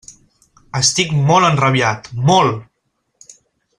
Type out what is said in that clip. Estic molt enrabiat, molt!